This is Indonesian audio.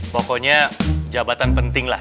pokoknya jabatan penting lah